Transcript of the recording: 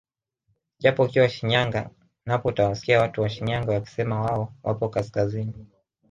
Japo ukiwa Shinyanga napo utawasikia watu wa Shinyanga wakisema wao wapo kaskazini